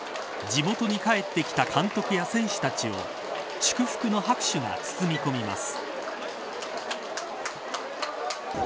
地元に帰ってきた監督や選手たちを祝福の拍手が包み込みます。